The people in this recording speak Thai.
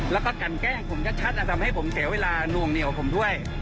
แล้วก็กันแกล้งผมชัดทำให้ผมเสียเวลานวงเหนียวผมด้วย